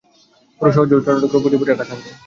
পুরো শহরজুড়ে টর্নেডোগুলো উপর্যুপুরি আঘাত হানছে!